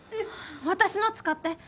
私の使って。